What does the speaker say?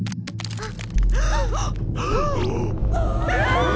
あっ。